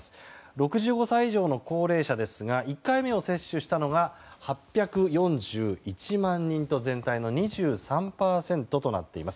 ６５歳以上の高齢者ですが１回目を接種したのが８４１万人全体の２３％となっています。